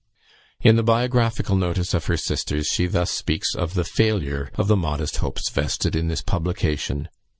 In the biographical notice of her sisters, she thus speaks of the failure of the modest hopes vested in this publication.